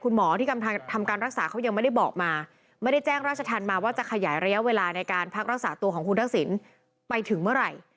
หมอที่กำลังทำการรักษาเขายังไม่ได้บอกมาไม่ได้แจ้งราชธรรมมาว่าจะขยายระยะเวลาในการพักรักษาตัวของคุณทักษิณไปถึงเมื่อไหร่